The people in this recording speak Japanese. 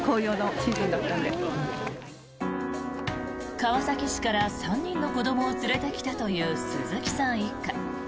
川崎市から３人の子どもを連れてきたという鈴木さん一家。